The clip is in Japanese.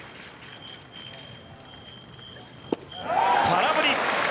空振り。